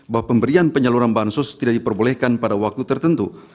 bahwa pemberian penyeluruhan bantuan sos tidak diperbolehkan pada waktu tertentu